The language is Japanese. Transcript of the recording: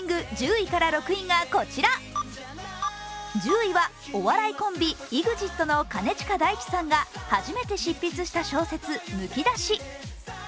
１０位はお笑いコンビＥＸＩＴの兼近大樹さんが初めて執筆した小説「むき出し」。